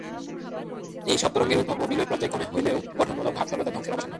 এইসব তরঙ্গের উদ্ভব ও বিলয় পর্যায়ক্রমে হইলেও গঠনমূলক ভাব সর্বদা ধ্বংসের অবসান ঘটায়।